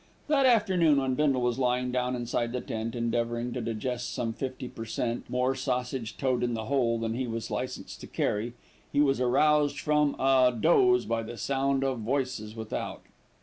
That afternoon when Bindle was lying down inside the tent, endeavouring to digest some fifty per cent. more sausage toad in the hole than he was licensed to carry, he was aroused from a doze by the sound of voices without.